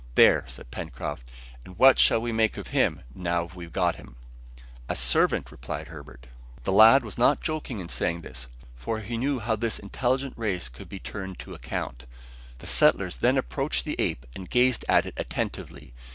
"There!" said Pencroft. "And what shall we make of him, now we've got him?" "A servant!" replied Herbert. The lad was not joking in saying this, for he knew how this intelligent race could be turned to account. The settlers then approached the ape and gazed at it attentively.